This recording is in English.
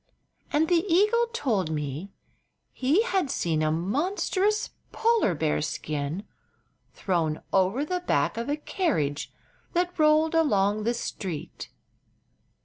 And the eagle told me he had seen a monstrous polar bear skin thrown over the back of a carriage that rolled along the street.